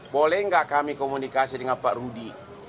boleh nggak kami komunikasi dengan pak rudi